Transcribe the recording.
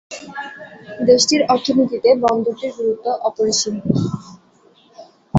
দেশটির অর্থনীতিতে বন্দরটির গুরুত্ব অপরিসীম।